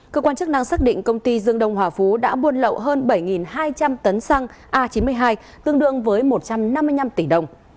cơ quan chức năng xác định công ty dương đông hòa phú đã buôn lậu hơn bảy hai trăm linh tấn xăng a chín mươi hai tương đương với một trăm năm mươi năm tỷ đồng